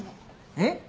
えっ？